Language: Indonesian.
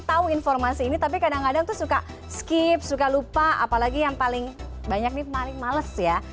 tahu informasi ini tapi kadang kadang tuh suka skip suka lupa apalagi yang paling banyak nih paling males ya